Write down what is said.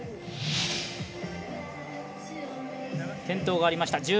転倒がありました。